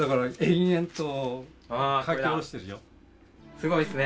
すごいですね！